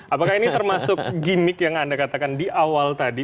apakah ini termasuk gimmick yang anda katakan di awal tadi